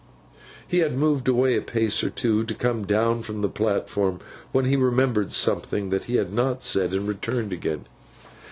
He had moved away a pace or two to come down from the platform, when he remembered something he had not said, and returned again.